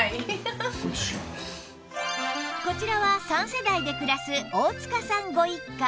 こちらは３世代で暮らす大塚さんご一家